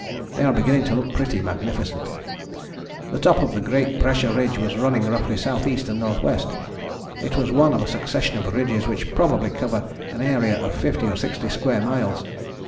They are beginning to look pretty magnificent. The top of the great pressure ridge was running roughly S.E. and N.W.: it was one of a succession of ridges which probably cover an area of fifty or sixty square miles.